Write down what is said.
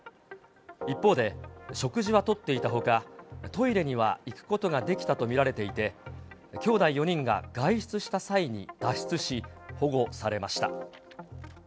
一方で食事はとっていたほか、トイレには行くことができたと見られていて、きょうだい４人が外出した際に脱出し、保護されました。